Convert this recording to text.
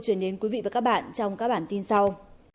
chuyển đến quý vị và các bạn trong các bản tin sau